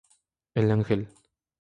El Ángel.